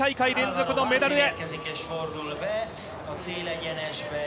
川野も２大会連続のメダルへ。